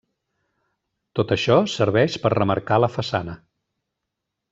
Tot això serveix per remarcar la façana.